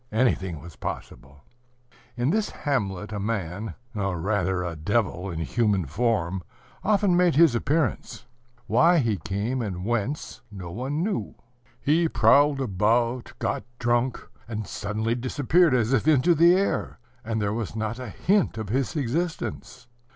Anything was possible. In this hamlet a man, or rather a devil in human form, often made his appearance. Why he came, and whence, no one knew. He prowled about, got drunk, and suddenly disappeared as if into the air, and there was not a hint of his existence.